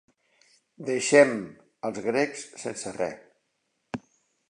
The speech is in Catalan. Deixem els grecs sense re.